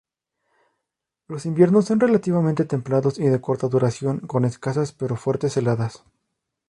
Los inviernos son relativamente templados y de corta duración, con escasas pero fuertes heladas.